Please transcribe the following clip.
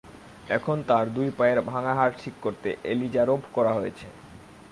এখন তাঁর দুই পায়ের ভাঙা হাড় ঠিক করতে এলিজারোভ করা হয়েছে।